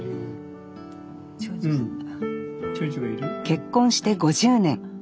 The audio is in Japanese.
結婚して５０年。